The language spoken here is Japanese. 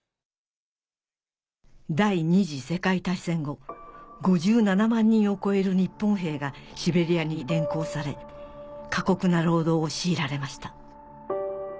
第２次世界大戦後５７万人を超える日本兵がシベリアに連行され過酷な労働を強いられました